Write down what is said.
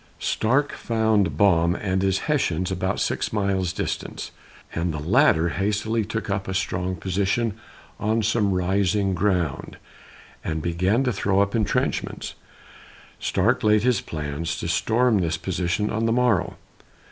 Stark found Baum and his Hessians about six miles distant, and the latter hastily took up a strong position on some rising ground, and began to throw up intrenchments. Stark laid his plans to storm this position on the morrow.